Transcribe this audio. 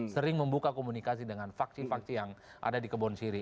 sering membuka komunikasi dengan faksi faksi yang ada di kebon siri